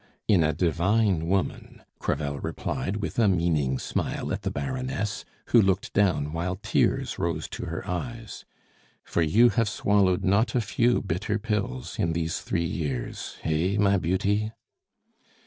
"In a divine woman," Crevel replied, with a meaning smile at the Baroness, who looked down while tears rose to her eyes. "For you have swallowed not a few bitter pills! in these three years hey, my beauty?"